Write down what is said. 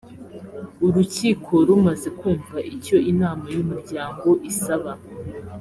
urukiko rumaze kumva icyo inama y’umuryango isaba